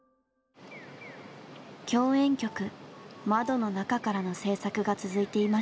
共演曲「窓の中から」の制作が続いていました。